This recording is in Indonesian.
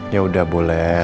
ya udah boleh